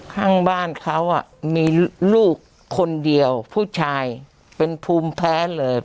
ข้างบ้านเขามีลูกคนเดียวผู้ชายเป็นภูมิแพ้เลย